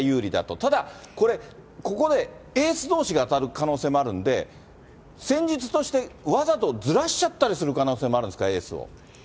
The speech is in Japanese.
ただこれ、ここでエースどうしが当たる可能性もあるんで、戦術として、わざとずらしちゃったりする可能性もあるんですか、エースを。